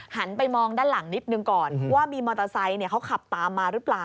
หันไปมองด้านหลังนิดนึงก่อนว่ามีมอเตอร์ไซค์เขาขับตามมาหรือเปล่า